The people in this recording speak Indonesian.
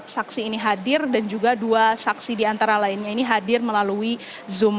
saksi ini hadir dan juga dua saksi diantara lainnya ini hadir melalui zoom